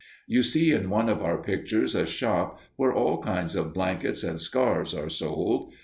You see in one of our pictures a shop where all kinds of blankets and scarfs are sold.